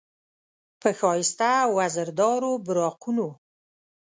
په ښایسته او وزردارو براقونو،